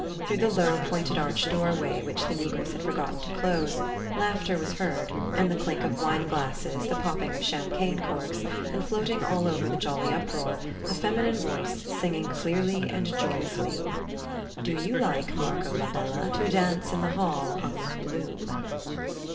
Through the low pointed arch doorway which the negress had forgotten to close, laughter was heard; and the clink of wine glasses, the popping of champagne corks; and, floating over all the jolly uproar, a feminine voice singing clearly and joyously: "Do you like, Marco la Bella, to dance in the hall hung with bloom?"